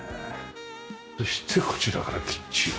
そしてこちらからキッチンを。